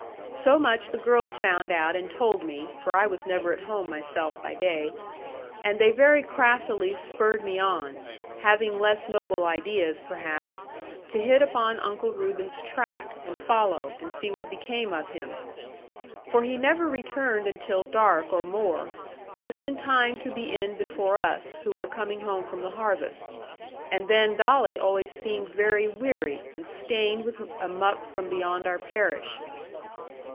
So much the girls found out and told me (for I was never at home myself by day); and they very craftily spurred me on, having less noble ideas perhaps, to hit upon Uncle Reuben's track, and follow, and see what became of him. For he never returned until dark or more, just in time to be in before us, who were coming home from the harvest. And then Dolly always seemed very weary, and stained with a muck from beyond our parish.